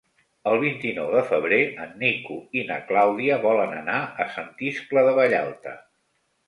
El vint-i-nou de febrer en Nico i na Clàudia volen anar a Sant Iscle de Vallalta.